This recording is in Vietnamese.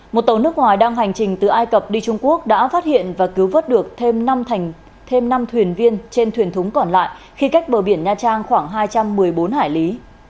một tàu nước ngoài đang hành trình từ ai cập đi trung quốc đã phát hiện và cứu vớt được thêm năm thuyền viên trên thuyền thúng còn lại khi cách bờ biển nha trang khoảng hai trăm một mươi bốn hải lý